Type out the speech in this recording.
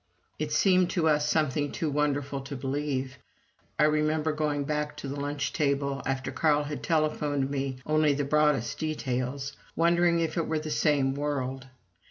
It seemed to us something too wonderful to believe. I remember going back to that lunch table, after Carl had telephoned me only the broadest details, wondering if it were the same world.